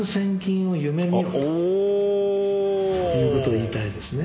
ということを言いたいですね」